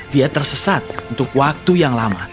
dia tersesat untuk waktu yang lama